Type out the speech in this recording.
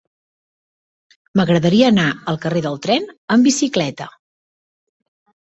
M'agradaria anar al carrer del Tren amb bicicleta.